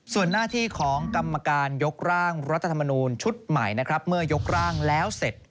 ส่วนหน้าที่ของกรรมการยกร่างรัฐธรรมนูญชุดใหม่นะครับเมื่อยกร่างแล้วเสร็จ